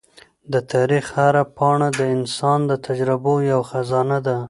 د تاریخ هره پاڼه د انسان د تجربو یوه خزانه ده.